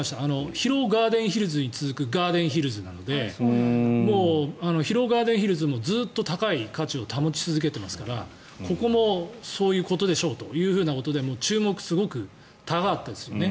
広尾ガーデンヒルズに続くガーデンヒルズなので広尾ガーデンヒルズもずっと高い価値を保ち続けてますからここもそういうことでしょうということで注目、すごく高かったですよね。